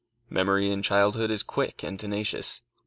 Memory in childhood is quick and tenacious.